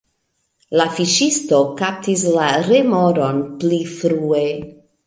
La fiŝisto kaptis la remoron pli frue.